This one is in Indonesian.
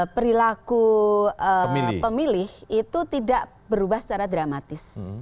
perilaku pemilih itu tidak berubah secara dramatis